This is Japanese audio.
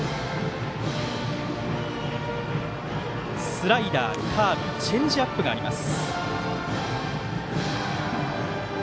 スライダー、カーブチェンジアップがあります。